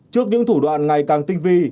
trước những thủ đoạn ngày càng tinh vi